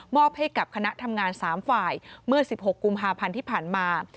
ให้กับคณะทำงาน๓ฝ่ายเมื่อ๑๖กุมภาพันธ์ที่ผ่านมา